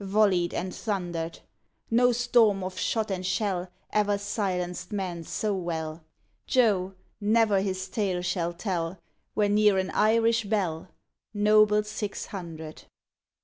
Volleyed and thundered. No storm of shot and shell E'er silenced man so well. Joe I ne'er his tale shall tell When near an Irish belle — Noble Six Hundred